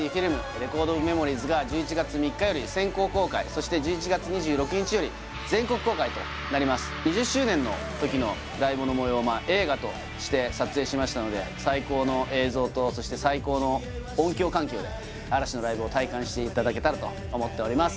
「“ＲｅｃｏｒｄｏｆＭｅｍｏｒｉｅｓ”」が１１月３日より先行公開そして１１月２６日より全国公開となります２０周年の時のライブの模様を映画として撮影しましたので最高の映像とそして最高の音響環境で嵐のライブを体感していただけたらと思っております